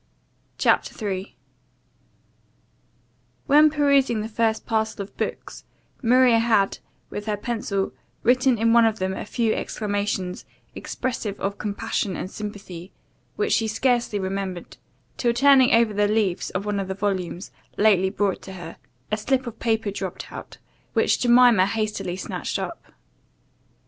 CHAPTER 3 WHEN PERUSING the first parcel of books, Maria had, with her pencil, written in one of them a few exclamations, expressive of compassion and sympathy, which she scarcely remembered, till turning over the leaves of one of the volumes, lately brought to her, a slip of paper dropped out, which Jemima hastily snatched up.